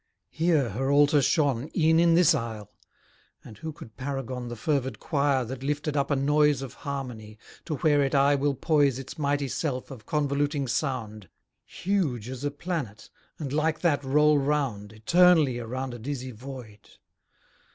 Here her altar shone, E'en in this isle; and who could paragon The fervid choir that lifted up a noise Of harmony, to where it aye will poise Its mighty self of convoluting sound, Huge as a planet, and like that roll round, Eternally around a dizzy void?